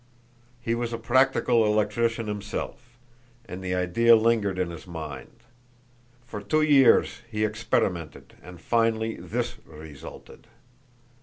He was a practical electrician himself, and the idea lingered in his mind. For two years he experimented, and finally this resulted."